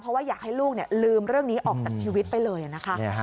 เพราะว่าอยากให้ลูกลืมเรื่องนี้ออกจากชีวิตไปเลยนะคะ